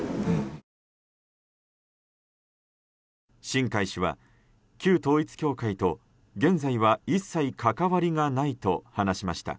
新開氏は、旧統一教会と現在は一切関わりがないと話しました。